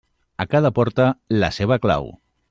A cada porta, la seva clau.